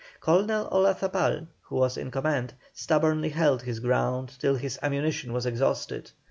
Colonel Olazabal, who was in command, stubbornly held his ground till his ammunition was exhausted.